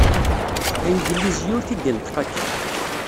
Anglizi ur t-id-ineṭṭeq akka.